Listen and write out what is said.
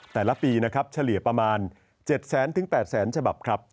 แต่ละปีนะครับเฉลี่ยประมาณ๗แสนถึง๘แสนฉบับครับ